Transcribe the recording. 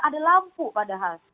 ada lampu padahal